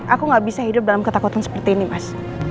aku gak bisa hidup dalam ketakutan seperti ini mas